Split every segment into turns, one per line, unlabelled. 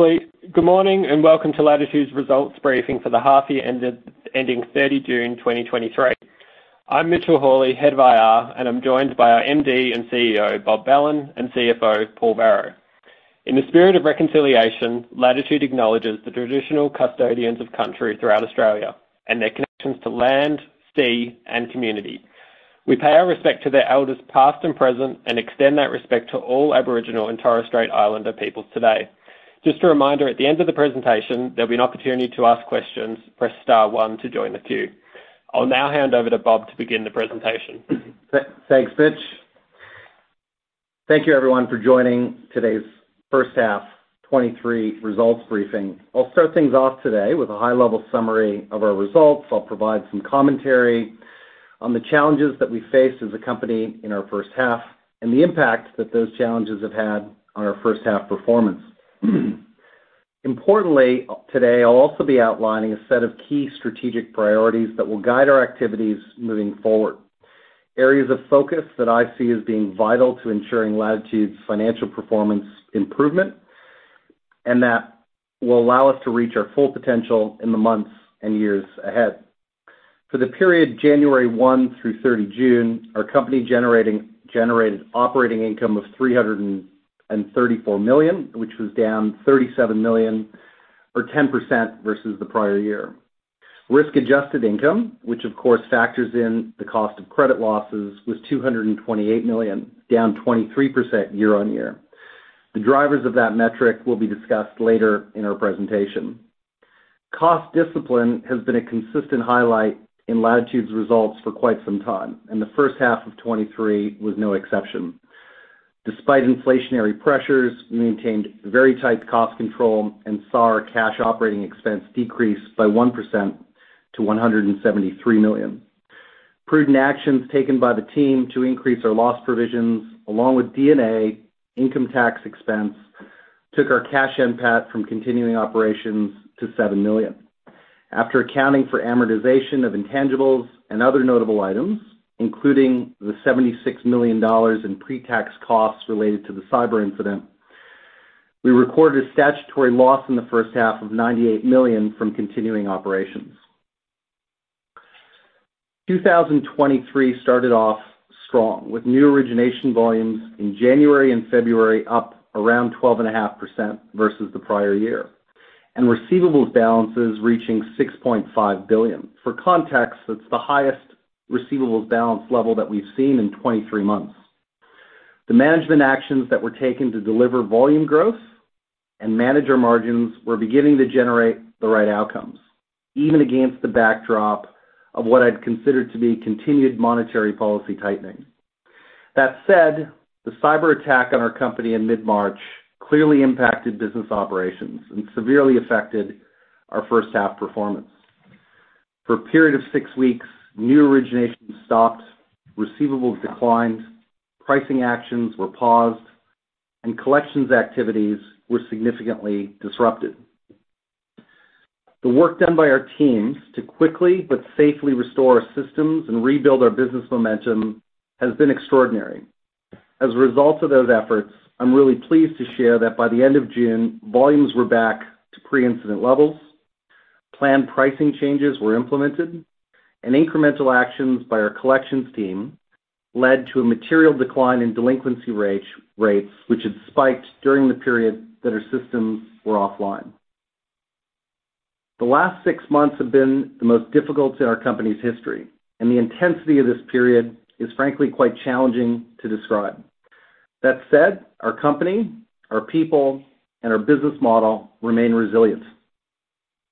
Thanks, Ashley. Good morning, and welcome to Latitude's results briefing for the half year ended, ending 30 June 2023. I'm Mitchell Hawker, Head of IR, and I'm joined by our MD and CEO, Bob Belan, and CFO, Paul Varro. In the spirit of reconciliation, Latitude acknowledges the traditional custodians of country throughout Australia and their connections to land, sea, and community. We pay our respect to their elders, past and present, and extend that respect to all Aboriginal and Torres Strait Islander peoples today. Just a reminder, at the end of the presentation, there'll be an opportunity to ask questions. Press star one to join the queue. I'll now hand over to Bob to begin the presentation.
Thanks, Mitch. Thank you everyone for joining today's first half 2023 results briefing. I'll start things off today with a high-level summary of our results. I'll provide some commentary on the challenges that we faced as a company in our first half, and the impact that those challenges have had on our first half performance. Importantly, today, I'll also be outlining a set of key strategic priorities that will guide our activities moving forward. Areas of focus that I see as being vital to ensuring Latitude's financial performance improvement, and that will allow us to reach our full potential in the months and years ahead. For the period January 1 through 30 June, our company generated operating income of 334 million, which was down 37 million, or 10% versus the prior year. Risk-Adjusted Income, which of course factors in the cost of credit losses, was 228 million, down 23% year-on-year. The drivers of that metric will be discussed later in our presentation. Cost discipline has been a consistent highlight in Latitude's results for quite some time, and the first half of 2023 was no exception. Despite inflationary pressures, we maintained very tight cost control and saw our cash operating expense decrease by 1% to 173 million. Prudent actions taken by the team to increase our loss provisions, along with D&A income tax expense, took our Cash NPAT from continuing operations to 7 million. After accounting for amortization of intangibles and other notable items, including the 76 million dollars in pre-tax costs related to the cyber incident, we recorded a statutory loss in the first half of 98 million from continuing operations. 2023 started off strong, with new origination volumes in January and February, up around 12.5% versus the prior year, and receivables balances reaching 6.5 billion. For context, that's the highest receivables balance level that we've seen in 23 months. The management actions that were taken to deliver volume growth and manage our margins were beginning to generate the right outcomes, even against the backdrop of what I'd consider to be continued monetary policy tightening. That said, the cyber attack on our company in mid-March clearly impacted business operations and severely affected our first half performance. For a period of 6 weeks, new originations stopped, receivables declined, pricing actions were paused, and collections activities were significantly disrupted. The work done by our teams to quickly but safely restore our systems and rebuild our business momentum has been extraordinary. As a result of those efforts, I'm really pleased to share that by the end of June, volumes were back to pre-incident levels, planned pricing changes were implemented, and incremental actions by our collections team led to a material decline in delinquency rate, which had spiked during the period that our systems were offline. The last six months have been the most difficult in our company's history, and the intensity of this period is frankly, quite challenging to describe. That said, our company, our people, and our business model remain resilient.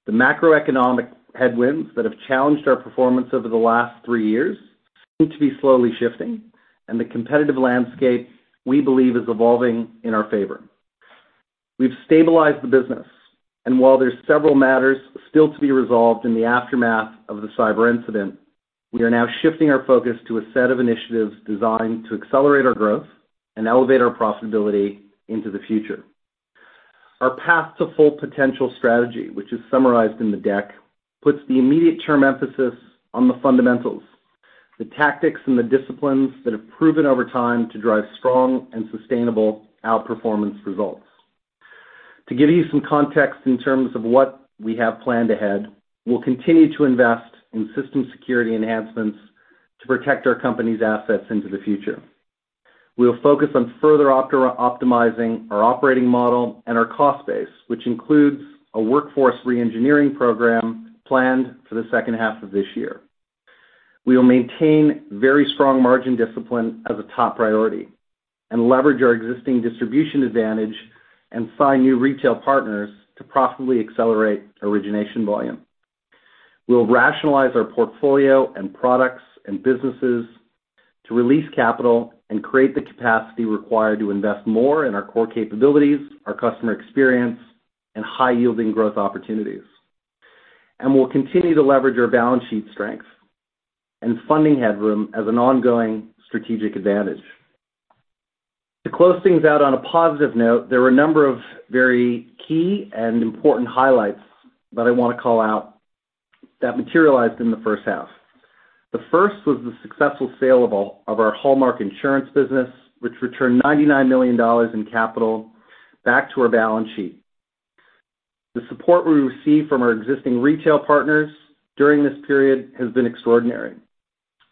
The macroeconomic headwinds that have challenged our performance over the last three years seem to be slowly shifting, and the competitive landscape, we believe, is evolving in our favor. We've stabilized the business. While there are several matters still to be resolved in the aftermath of the cyber incident, we are now shifting our focus to a set of initiatives designed to accelerate our growth and elevate our profitability into the future. Our path to full potential strategy, which is summarized in the deck, puts the immediate-term emphasis on the fundamentals, the tactics and the disciplines that have proven over time to drive strong and sustainable outperformance results. To give you some context in terms of what we have planned ahead, we'll continue to invest in system security enhancements to protect our company's assets into the future. We'll focus on further optimizing our operating model and our cost base, which includes a workforce reengineering program planned for the second half of this year. We will maintain very strong margin discipline as a top priority and leverage our existing distribution advantage and sign new retail partners to profitably accelerate origination volume. We'll rationalize our portfolio and products and businesses to release capital and create the capacity required to invest more in our core capabilities, our customer experience, and high-yielding growth opportunities. We'll continue to leverage our balance sheet strengths and funding headroom as an ongoing strategic advantage. To close things out on a positive note, there are a number of very key and important highlights that I want to call out that materialized in the first half. The first was the successful sale of our Hallmark Insurance business, which returned 99 million dollars in capital back to our balance sheet. The support we received from our existing retail partners during this period has been extraordinary.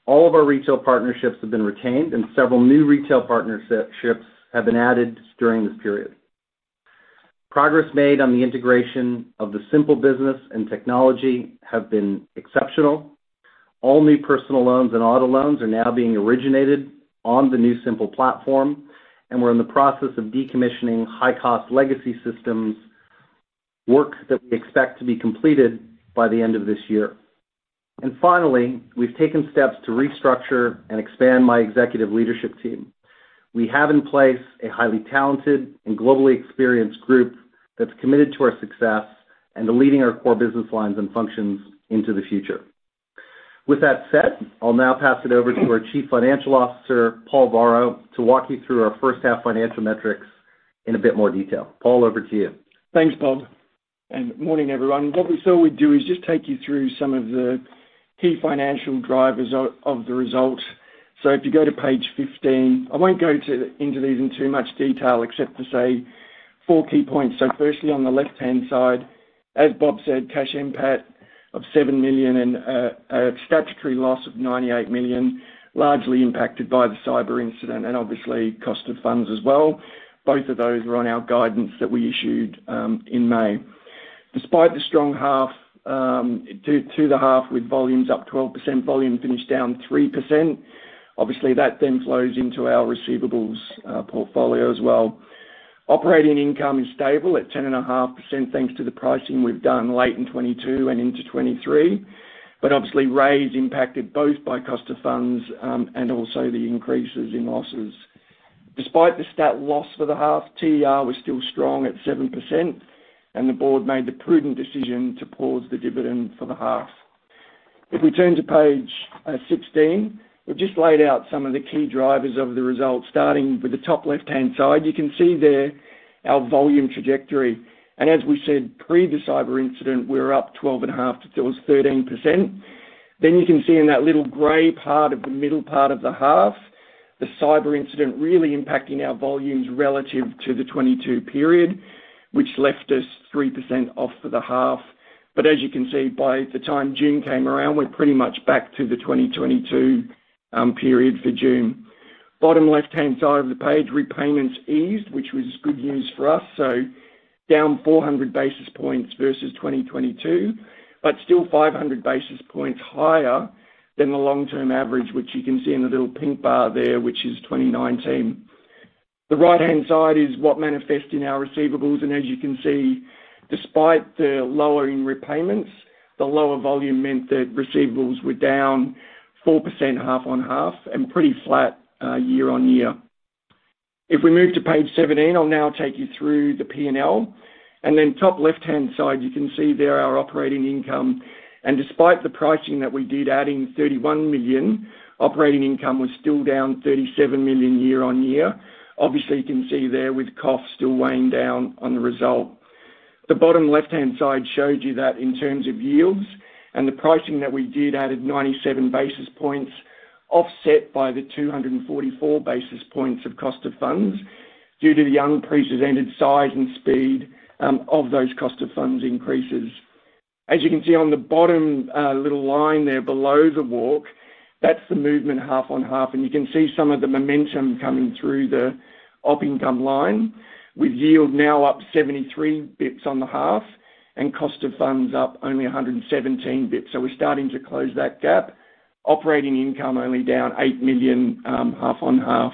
All of our retail partnerships have been retained, several new retail partnerships have been added during this period. Progress made on the integration of the Symple business and technology have been exceptional. All new personal loans and auto loans are now being originated on the new Symple platform, we're in the process of decommissioning high-cost legacy systems, work that we expect to be completed by the end of this year. Finally, we've taken steps to restructure and expand my executive leadership team. We have in place a highly talented and globally experienced group that's committed to our success and to leading our core business lines and functions into the future. With that said, I'll now pass it over to our Chief Financial Officer, Paul Varro, to walk you through our first half financial metrics in a bit more detail. Paul, over to you.
Thanks, Bob, and morning, everyone. What we thought we'd do is just take you through some of the key financial drivers of, of the result. If you go to page 15, I won't go to, into these in too much detail, except to say four key points. Firstly, on the left-hand side, as Bob said, Cash NPAT of 7 million and a statutory loss of 98 million, largely impacted by the cyber incident and obviously cost of funds as well. Both of those were on our guidance that we issued in May. Despite the strong half, to, to the half, with volumes up 12%, volume finished down 3%. Obviously, that then flows into our receivables, portfolio as well. Operating income is stable at 10.5%, thanks to the pricing we've done late in 2022 and into 2023. Obviously, RAI is impacted both by cost of funds, and also the increases in losses. Despite the stat loss for the half, TER was still strong at 7%, and the board made the prudent decision to pause the dividend for the half. If we turn to page 16, we've just laid out some of the key drivers of the results, starting with the top left-hand side. You can see there our volume trajectory, and as we said, pre the cyber incident, we were up 12.5% towards 13%. You can see in that little gray part of the middle part of the half, the cyber incident really impacting our volumes relative to the 2022 period, which left us 3% off for the half. As you can see, by the time June came around, we're pretty much back to the 2022 period for June. Bottom left-hand side of the page, repayments eased, which was good news for us, down 400 basis points versus 2022, but still 500 basis points higher than the long-term average, which you can see in the little pink bar there, which is 2019. The right-hand side is what manifests in our receivables, as you can see, despite the lower in repayments, the lower volume meant that receivables were down 4%, half-on-half, and pretty flat year-on-year. If we move to page 17, I'll now take you through the P&L. Top left-hand side, you can see there our operating income. Despite the pricing that we did, adding 31 million, operating income was still down 37 million year-on-year. Obviously, you can see there with costs still weighing down on the result. The bottom left-hand side shows you that in terms of yields and the pricing that we did added 97 basis points, offset by the 244 basis points of cost of funds due to the unprecedented size and speed of those cost of funds increases. As you can see on the bottom, little line there below the walk, that's the movement half-on-half, and you can see some of the momentum coming through the op income line, with yield now up 73 bits on the half and cost of funds up only 117 bits. We're starting to close that gap. Operating income only down 8 million half-on-half.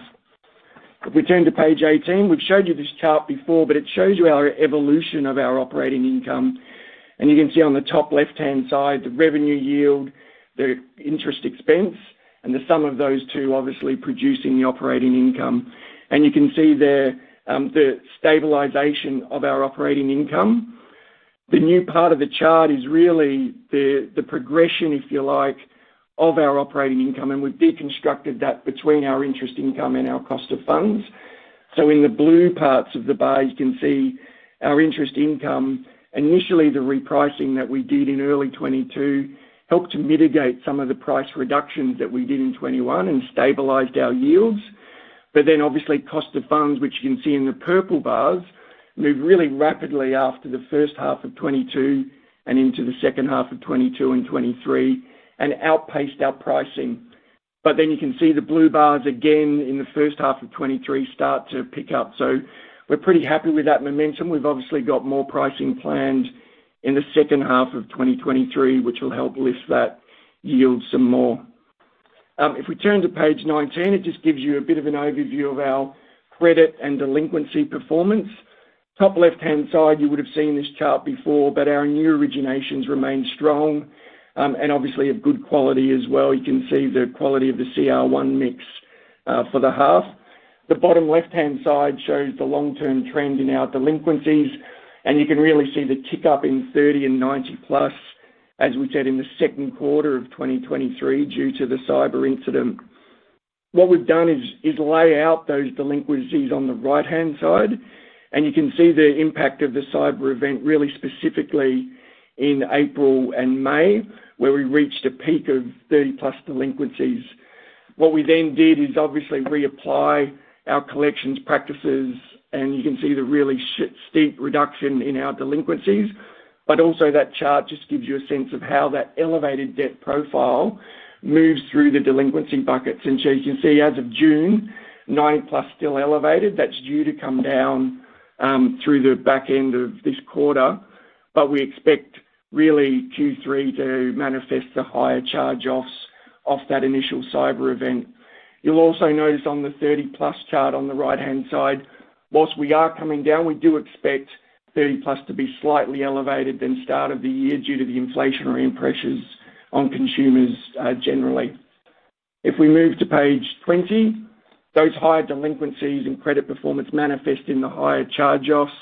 If we turn to page 18, we've showed you this chart before, it shows you our evolution of our operating income. You can see on the top left-hand side, the revenue yield, the interest expense, and the sum of those two, obviously producing the operating income. You can see there, the stabilization of our operating income. The new part of the chart is really the, the progression, if you like, of our operating income, and we've deconstructed that between our interest income and our cost of funds. In the blue parts of the bar, you can see our interest income. Initially, the repricing that we did in early 2022 helped to mitigate some of the price reductions that we did in 2021 and stabilized our yields. Then, obviously, cost of funds, which you can see in the purple bars, moved really rapidly after the first half of 2022 and into the second half of 2022 and 2023 and outpaced our pricing. You can see the blue bars again in the first half of 2023 start to pick up. We're pretty happy with that momentum. We've obviously got more pricing planned in the second half of 2023, which will help lift that yield some more. If we turn to page 19, it just gives you a bit of an overview of our credit and delinquency performance. Top left-hand side, you would have seen this chart before, but our new originations remain strong, and obviously of good quality as well. You can see the quality of the CR1 mix for the half. The bottom left-hand side shows the long-term trend in our delinquencies. You can really see the tick-up in 30 and 90-plus, as we said, in the second quarter of 2023 due to the cyber incident. What we've done is lay out those delinquencies on the right-hand side. You can see the impact of the cyber event really specifically in April and May, where we reached a peak of 30-plus delinquencies. What we then did, obviously, reapply our collections practices. You can see the really steep reduction in our delinquencies. Also, that chart just gives you a sense of how that elevated debt profile moves through the delinquency buckets. You can see as of June, 9+ still elevated. That's due to come down through the back end of this quarter, but we expect really Q3 to manifest the higher charge-offs of that initial cyber event. You'll also notice on the 30-plus chart on the right-hand side, whilst we are coming down, we do expect 30-plus to be slightly elevated than start of the year due to the inflationary pressures on consumers generally. If we move to page 20, those higher delinquencies and credit performance manifest in the higher charge-offs.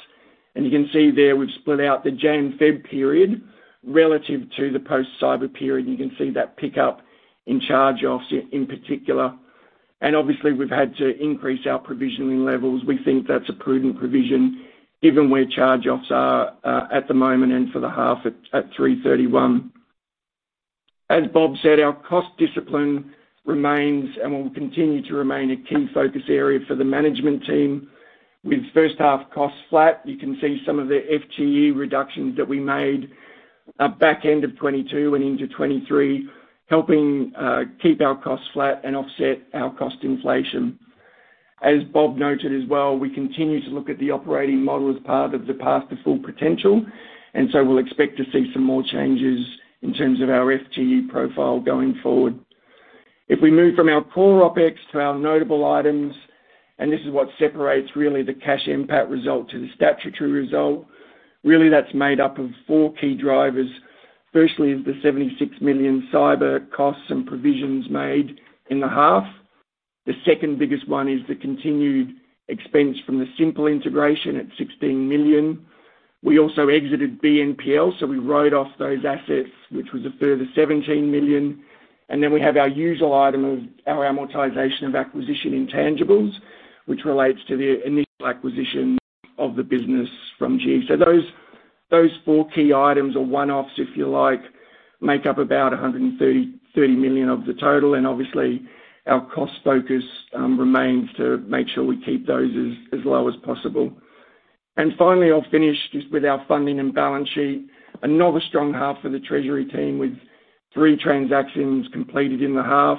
You can see there, we've split out the January/February period relative to the post-cyber period. You can see that pickup in charge-offs in, in particular. Obviously, we've had to increase our provisioning levels. We think that's a prudent provision, given where charge-offs are at the moment and for the half at 3/31. As Bob said, our cost discipline remains and will continue to remain a key focus area for the management team. With first half costs flat, you can see some of the FTE reductions that we made at back end of 2022 and into 2023, helping keep our costs flat and offset our cost inflation. As Bob noted as well, we continue to look at the operating model as part of the path to full potential, and so we'll expect to see some more changes in terms of our FTE profile going forward. If we move from our core opex to our notable items, and this is what separates really the cash NPAT result to the statutory result, really that's made up of four key drivers. Firstly, is the 76 million cyber costs and provisions made in the half. The second biggest one is the continued expense from the Symple integration at 16 million. We also exited BNPL, we wrote off those assets, which was a further 17 million. We have our usual item of our amortization of acquisition intangibles, which relates to the initial acquisition of the business from GE. Those, those four key items or one-offs, if you like, make up about 130 million of the total, obviously, our cost focus remains to make sure we keep those as, as low as possible. Finally, I'll finish just with our funding and balance sheet. Another strong half for the treasury team, with three transactions completed in the half.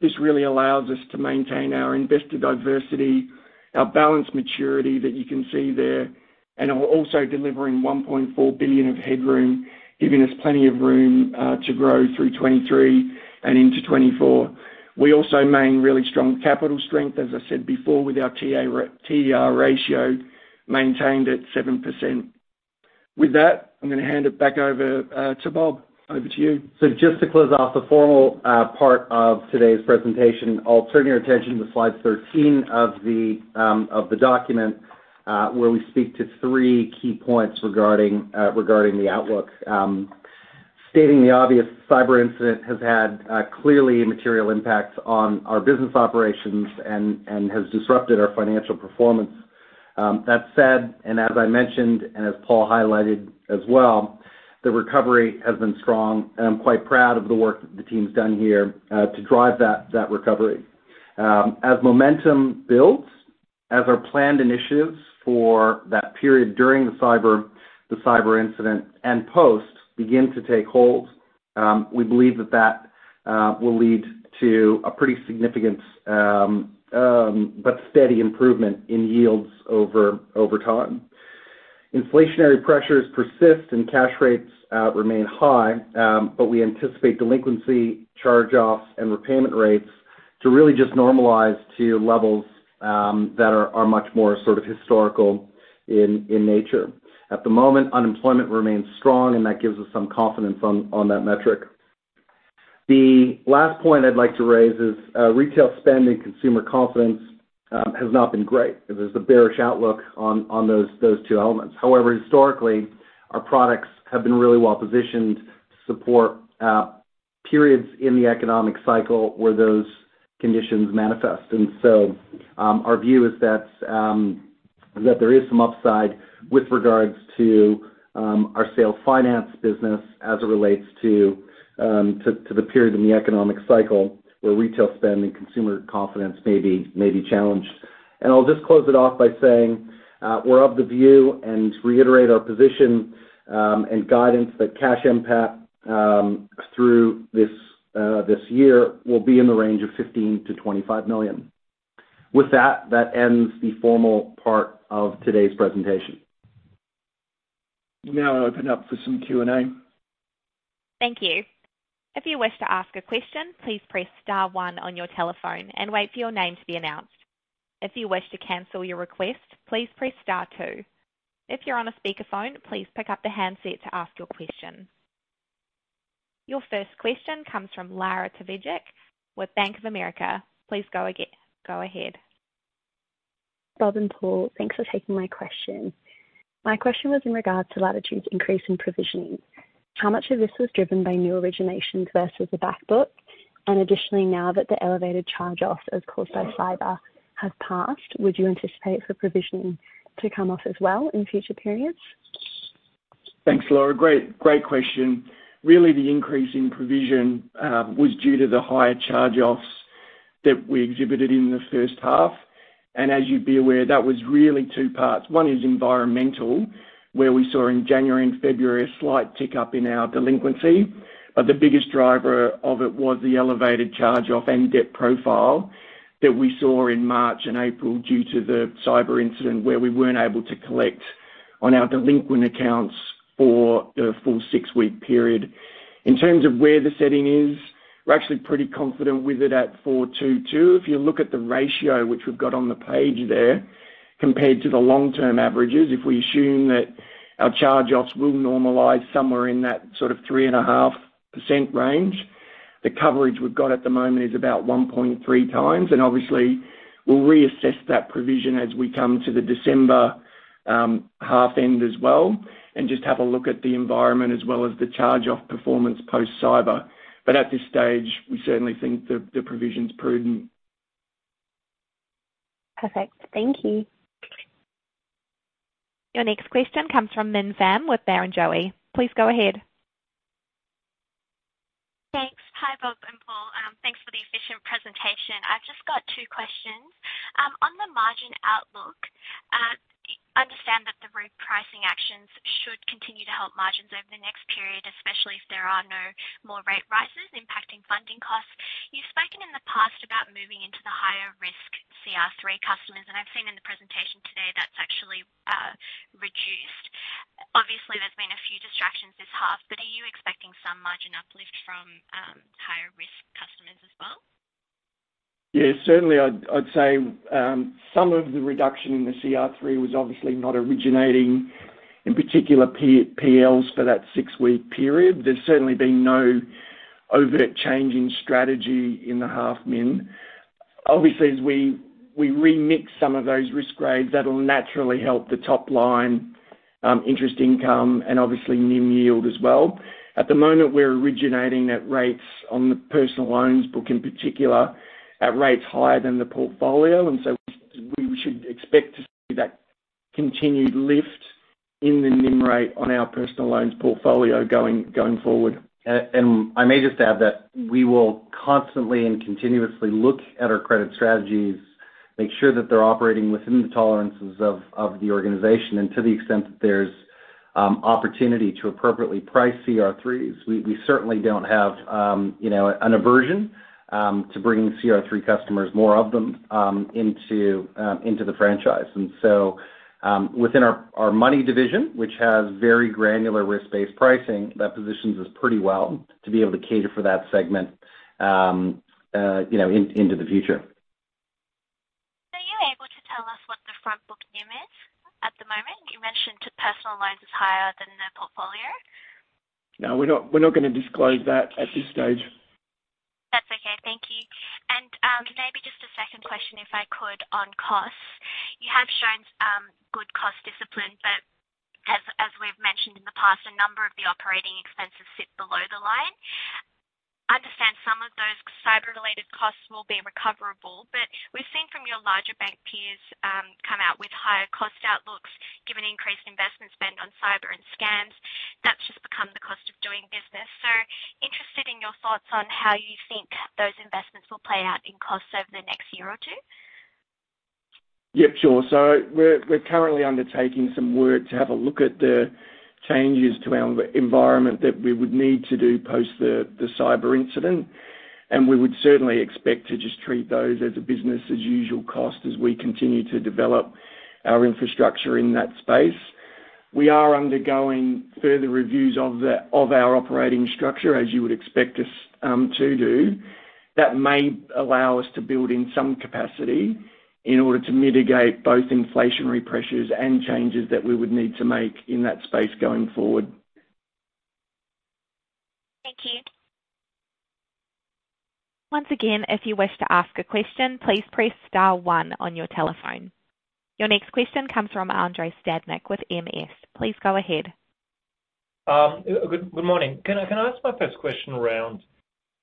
This really allows us to maintain our investor diversity, our balance maturity that you can see there, and are also delivering 1.4 billion of headroom, giving us plenty of room to grow through 2023 and into 2024. We also maintain really strong capital strength, as I said before, with our TER ratio maintained at 7%. With that, I'm going to hand it back over to Bob. Over to you.
Just to close off the formal part of today's presentation, I'll turn your attention to slide 13 of the document, where we speak to three key points regarding regarding the outlook. Stating the obvious, the cyber incident has had clearly material impacts on our business operations and, and has disrupted our financial performance. That said, and as I mentioned, and as Paul highlighted as well, the recovery has been strong, and I'm quite proud of the work that the team's done here to drive that, that recovery. As momentum builds, as our planned initiatives for that period during the cyber, the cyber incident and post begin to take hold, we believe that that will lead to a pretty significant but steady improvement in yields over, over time. Inflationary pressures persist and cash rates remain high, but we anticipate delinquency, charge-offs, and repayment rates to really just normalize to levels that are, are much more sort of historical in, in nature. At the moment, unemployment remains strong, and that gives us some confidence on, on that metric. The last point I'd like to raise is retail spending. Consumer confidence has not been great. There's a bearish outlook on, on those, those two elements. However, historically, our products have been really well-positioned to support periods in the economic cycle where those conditions manifest. So, our view is that there is some upside with regards to our sales finance business as it relates to, to, to the period in the economic cycle where retail spending, consumer confidence may be, may be challenged. I'll just close it off by saying, we're of the view and reiterate our position, and guidance that Cash NPAT through this, this year, will be in the range of 15 million-25 million. With that, that ends the formal part of today's presentation.
Now I open up for some Q&A.
Thank you. If you wish to ask a question, please press star one on your telephone and wait for your name to be announced. If you wish to cancel your request, please press star two. If you're on a speakerphone, please pick up the handset to ask your question. Your first question comes from Klara Tufegdzic with Bank of America. Please go ahead.
Bob and Paul, thanks for taking my question. My question was in regards to Latitude's increase in provisioning. How much of this was driven by new originations versus the back book? Additionally, now that the elevated charge-offs as caused by cyber have passed, would you anticipate for provisioning to come off as well in future periods?
Thanks, Klara. Great, great question. Really, the increase in provision was due to the higher charge-offs that we exhibited in the first half. As you'd be aware, that was really two parts. One is environmental, where we saw in January and February a slight tick-up in our delinquency. The biggest driver of it was the elevated charge-off and debt profile that we saw in March and April due to the cyber incident, where we weren't able to collect on our delinquent accounts for a full six-week period. In terms of where the setting is, we're actually pretty confident with it at 4.22. If you look at the ratio which we've got on the page there compared to the long-term averages, if we assume that our charge-offs will normalize somewhere in that sort of 3.5% range, the coverage we've got at the moment is about 1.3 times, and obviously, we'll reassess that provision as we come to the December half end as well, and just have a look at the environment as well as the charge-off performance post-cyber. At this stage, we certainly think the, the provision is prudent.
Perfect. Thank you.
Your next question comes from Minh Pham with Barrenjoey. Please go ahead.
Thanks. Hi, Bob and Paul. Thanks for the efficient presentation. I've just got two questions. On the margin outlook, I understand that the repricing actions should continue to help margins over the next period, especially if there are no more rate rises impacting funding costs. You've spoken in the past about moving into the higher risk CR3 customers, and I've seen in the presentation today that's actually reduced. Obviously, there's been a few distractions this half, but are you expecting some margin uplift from higher-risk customers as well?
Yeah, certainly I'd, I'd say, some of the reduction in the CR3 was obviously not originating, in particular, PLs for that 6-week period. There's certainly been no overt change in strategy in the half, Minh. Obviously, as we, we remix some of those risk grades, that'll naturally help the top line, interest income and obviously NIM yield as well. At the moment, we're originating at rates on the personal loans book, in particular at rates higher than the portfolio, and so we should expect to see that continued lift in the NIM rate on our personal loans portfolio going, going forward. I may just add that we will constantly and continuously look at our credit strategies, make sure that they're operating within the tolerances of the organization, and to the extent that there's opportunity to appropriately price CR3s. We, we certainly don't have, you know, an aversion to bringing CR3 customers, more of them into the franchise. So, within our our money division, which has very granular risk-based pricing, that positions us pretty well to be able to cater for that segment, you know, into the future.
Are you able to tell us what the front book NIM is at the moment? You mentioned personal loans is higher than the portfolio.
No, we're not, we're not gonna disclose that at this stage.
That's okay. Thank you. Maybe just a second question, if I could, on costs. You have shown good cost discipline, but as, as we've mentioned in the past, a number of the operating expenses sit below the line. I understand some of those cyber-related costs will be recoverable, but we've seen from your larger bank peers come out with higher cost outlooks, given the increased investment spend on cyber and scams. That's just become the cost of doing business. Interested in your thoughts on how you think those investments will play out in costs over the next year or two?
Yep, sure. We're, we're currently undertaking some work to have a look at the changes to our environment that we would need to do post the, the cyber incident, and we would certainly expect to just treat those as a business as usual cost as we continue to develop our infrastructure in that space. We are undergoing further reviews of the, of our operating structure, as you would expect us to do. That may allow us to build in some capacity in order to mitigate both inflationary pressures and changes that we would need to make in that space going forward.
Thank you.
Once again, if you wish to ask a question, please press star one on your telephone. Your next question comes from Andrei Stadnik with MS. Please go ahead.
Good, good morning. Can I, can I ask my first question around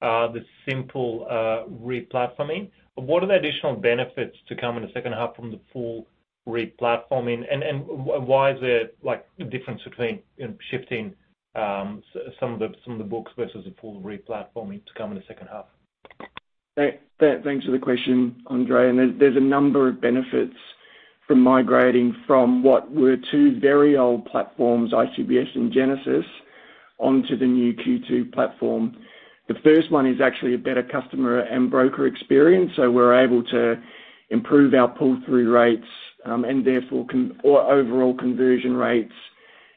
the Symple replatforming? What are the additional benefits to come in the second half from the full replatforming? Why is there, like, a difference between shifting some of the, some of the books versus a full replatforming to come in the second half?
Thanks for the question, Andre. There, there's a number of benefits from migrating from what were two very old platforms, ICBS and Genesis, onto the new Q2 platform. The first one is actually a better customer and broker experience, so we're able to improve our pull-through rates, and therefore, or overall conversion rates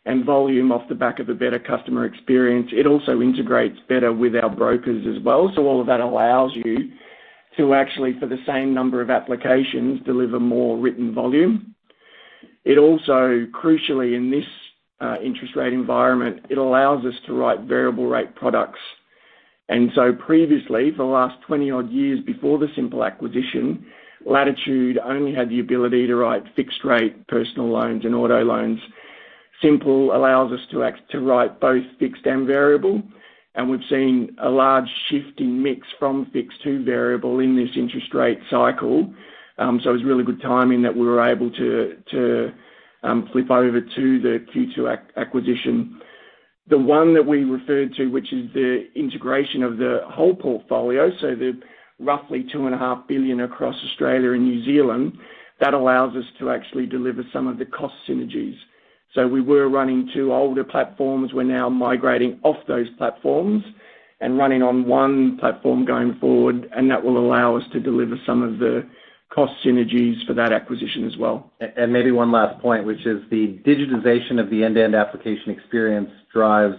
and volume off the back of a better customer experience. It also integrates better with our brokers as well. All of that allows you to actually, for the same number of applications, deliver more written volume. It also crucially, in this interest rate environment, it allows us to write variable rate products. Previously, for the last 20-odd years before the Symple acquisition, Latitude only had the ability to write fixed rate personal loans and auto loans. Symple allows us to write both fixed and variable. We've seen a large shift in mix from fixed to variable in this interest rate cycle. It's really good timing that we were able to flip over to the Q2 acquisition. The one that we referred to, which is the integration of the whole portfolio, so the roughly 2.5 billion across Australia and New Zealand, that allows us to actually deliver some of the cost synergies. We were running two older platforms. We're now migrating off those platforms and running on 1 platform going forward. That will allow us to deliver some of the cost synergies for that acquisition as well.
Maybe one last point, which is the digitization of the end-to-end application experience drives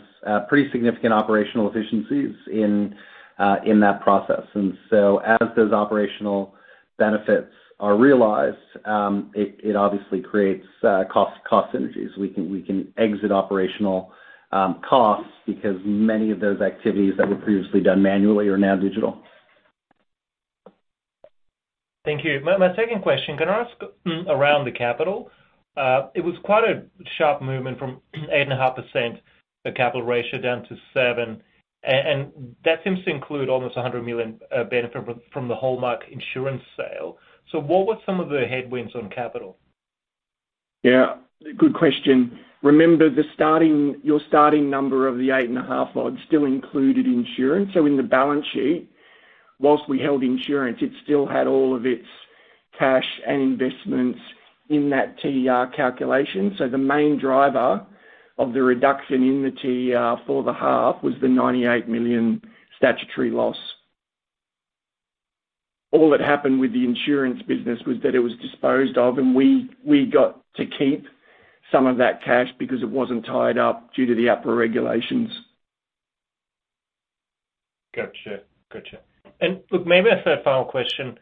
pretty significant operational efficiencies in that process. As those operational benefits are realized, it, it obviously creates, cost, cost synergies. We can, we can exit operational costs because many of those activities that were previously done manually are now digital.
Thank you. My, my second question, can I ask around the capital? It was quite a sharp movement from 8.5%, the capital ratio down to 7%, and that seems to include almost 100 million benefit from the Hallmark Insurance sale. What were some of the headwinds on capital?
Good question. Remember, the starting your starting number of the 8.5 odd still included insurance. In the balance sheet, whilst we held insurance, it still had all of its cash and investments in that TER calculation. The main driver of the reduction in the TER for the half was the 98 million statutory loss. All that happened with the insurance business was that it was disposed of, and we got to keep some of that cash because it wasn't tied up due to the APRA regulations.
Gotcha. Gotcha. Look, maybe a third final question: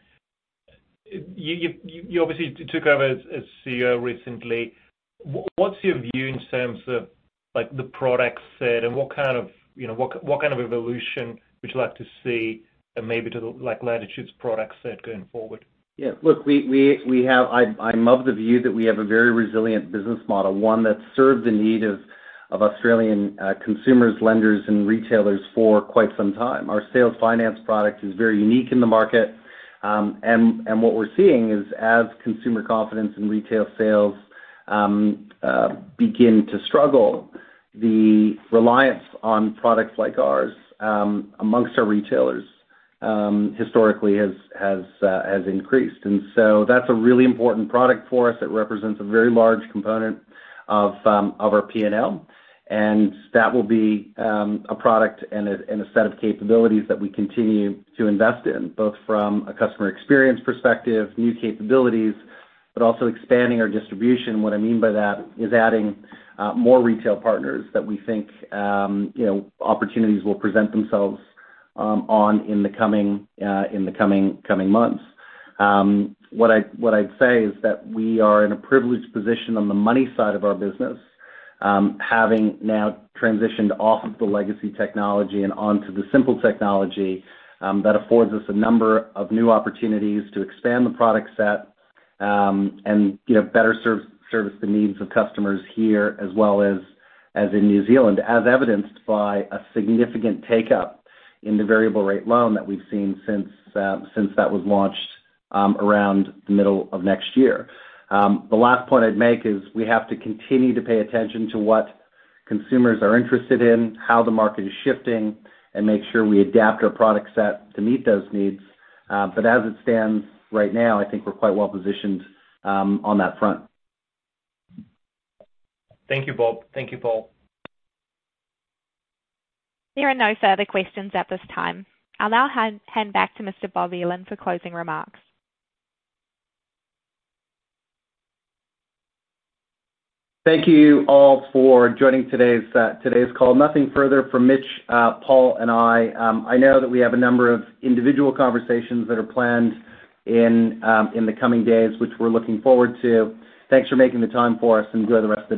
You obviously took over as CEO recently, what's your view in terms of, like, the product set and what kind of, you know, what kind of evolution would you like to see maybe to the, like, Latitude's product set going forward?
Yeah. Look, we, we, we have, I, I'm of the view that we have a very resilient business model, one that's served the need of, of Australian consumers, lenders, and retailers for quite some time. Our sales finance product is very unique in the market. What we're seeing is as consumer confidence and retail sales begin to struggle, the reliance on products like ours amongst our retailers historically, has, has increased. That's a really important product for us. It represents a very large component of our P&L, and that will be a product and a, and a set of capabilities that we continue to invest in, both from a customer experience perspective, new capabilities, but also expanding our distribution. What I mean by that is adding more retail partners that we think, you know, opportunities will present themselves in the coming, coming months. What I'd say is that we are in a privileged position on the money side of our business, having now transitioned off of the legacy technology and onto the Symple technology, that affords us a number of new opportunities to expand the product set, and, you know, better serve, service the needs of customers here, as well as, as in New Zealand, as evidenced by a significant take-up in the variable rate loan that we've seen since, since that was launched around the middle of next year. The last point I'd make is we have to continue to pay attention to what consumers are interested in, how the market is shifting, and make sure we adapt our product set to meet those needs. As it stands right now, I think we're quite well positioned on that front.
Thank you both. Thank you, Paul.
There are no further questions at this time. I'll now hand back to Mr. Bob Belan for closing remarks.
Thank you all for joining today's today's call. Nothing further from Mitch, Paul and I. I know that we have a number of individual conversations that are planned in the coming days, which we're looking forward to. Thanks for making the time for us, and enjoy the rest of your day.